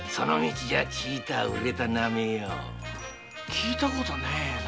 聞いたことねえな。